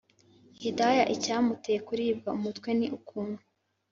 hidaya icyamuteye kuribwa umutwe ni ukuntu